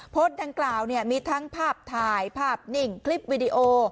โพสต์ดังกล่าวมีทั้งภาพถ่ายภาพนิ่งคลิปวิดีโอ